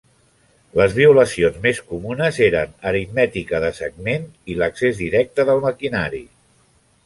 Les violacions més comunes eren aritmètica de segment i l'accés directe del maquinari.